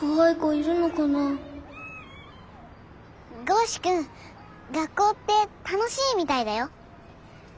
剛士くん学校って楽しいみたいだよ。